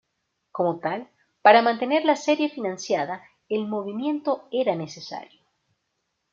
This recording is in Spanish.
Como tal, para mantener la serie financiada, el movimiento era necesario.